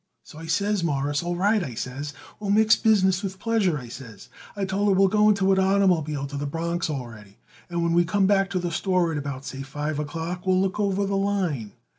So I says, Mawruss, all right, I says, we'll mix business with pleasure, I says. I told her we'll go in an oitermobile to the Bronix already, and when we come back to the store at about, say, five o'clock we'll look over the line.